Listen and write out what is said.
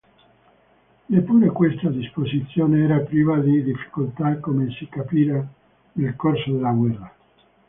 Neppure questa disposizione era priva di difficoltà come si capirà nel corso della guerra.